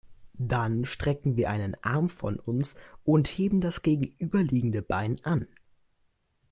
Dann strecken wir einen Arm von uns und heben das gegenüberliegende Bein an.